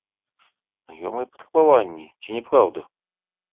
Знаёмыя патрабаванні, ці не праўда?